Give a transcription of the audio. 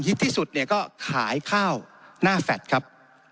ที่สุดเนี่ยก็ขายข้าวหน้าแฟลตครับ